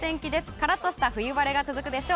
カラッとした冬晴れが続くでしょう。